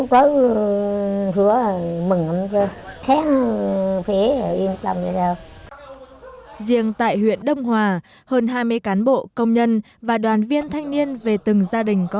riêng tại huyện đông hòa hơn hai mươi cán bộ công nhân và đoàn viên thanh niên về từng gia đình có